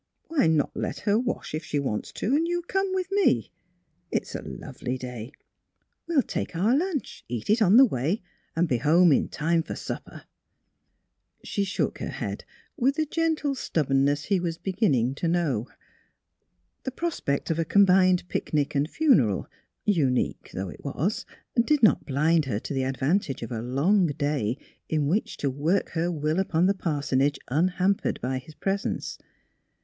'' Why not let her wash if she wants to, and you come with me. It's a lovely 321 222 THE HEAET OF PHILUEA day. We'll take our luncli, eat it on the way, and be home in time for supper." She shook her head, with the gentle stubborn ness he was beginning to know. The prospect of a combined picnic and funeral, unique though it was, did not blind her to the advantage of a long day in which to work her will upon the parsonage unhampered by his presence.